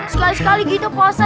sekali kali gitu pak asan